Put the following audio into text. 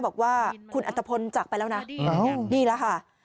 บอกว่าคุณอัตภพลจากไปแล้วนะนี่แหละค่ะ